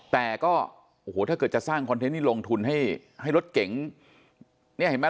แต่ก็โอ้โหถ้าเกิดจะสร้างคอนเทนต์นี่ลงทุนให้ให้รถเก๋งเนี่ยเห็นไหม